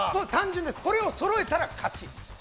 これをそろえたら勝ち。